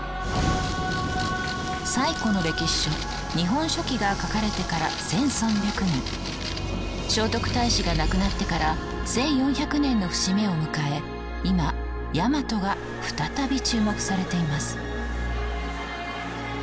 最古の歴史書「日本書紀」が書かれてから１，３００年聖徳太子が亡くなってから１，４００年の節目を迎え今やまとが再び注目されています。